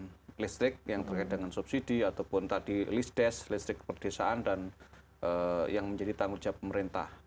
kebutuhan listrik yang terkait dengan subsidi ataupun tadi list desk listrik perdesaan dan yang menjadi tanggung jawab pemerintah